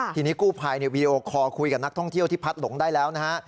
ทีนี้กู้ภัยวีดีโอคอร์คุยกับนักท่องเที่ยวที่พัดหลงได้แล้วนะฮะ